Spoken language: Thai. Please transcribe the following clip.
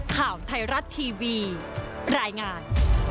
ข่าวไทยรัฐทีวีรายงาน